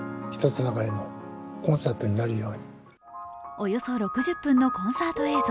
およそ６０分のコンサート映像。